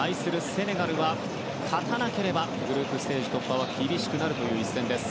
セネガルは勝たなければグループステージ突破は厳しくなるという一戦です。